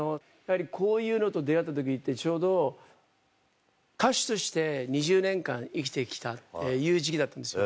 こういうのと出会った時ってちょうど歌手として２０年間生きて来たっていう時期だったんですよ。